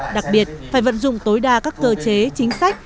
đặc biệt phải vận dụng tối đa các cơ chế chính sách